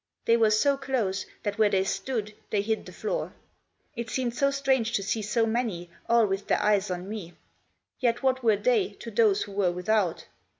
They were so close that where they stood they hid the floor. It seemed so strange to see so many, all with their eyes on me. Yet what were they to those who were without